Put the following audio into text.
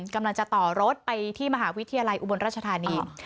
กำลังจะต่อรถไปที่มหาวิทยาลัยอุบลราชธานี